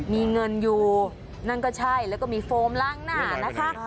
มีเงินอยู่นั่นก็ใช่แล้วก็มีโฟมล้างหน้านะคะ